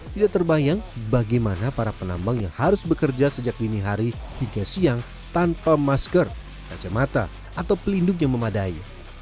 tidak terbayang bagaimana para penambang yang harus bekerja sejak dini hari hingga siang tanpa masker kacamata atau pelindung yang memadai